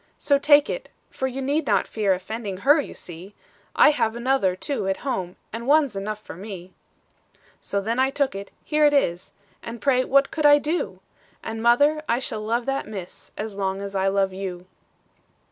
"'So take it, for you need not fear Offending her, you see; I have another, too, at home, And one's enough for me,' "So then I took it here it is For pray what could I do? And, mother, I shall love that Miss As long as I love you."